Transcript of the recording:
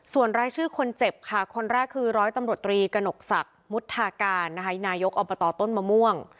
ส่วนรายชื่อคนเจ็บค่ะคนแรกคือร้อยตำรวจตรีกระหนกศักดิ์มุทาการนะคะนายกอบตต้นมะม่วง